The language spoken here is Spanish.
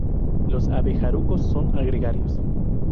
Los abejarucos son gregarios.